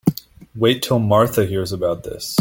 Wait till Martha hears about this.